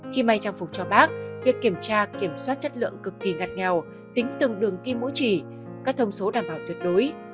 khi may trang phục cho bác việc kiểm tra kiểm soát chất lượng cực kỳ ngặt nghèo tính từng đường kim mũ chỉ các thông số đảm bảo tuyệt đối